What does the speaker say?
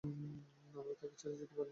আমরা তাকে ছেড়ে যেতে পারি না!